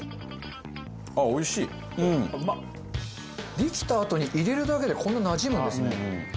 できたあとに入れるだけでこんなになじむんですね。